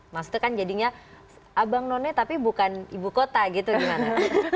maksudnya kan jadinya abang none tapi bukan ibu kota gitu gimana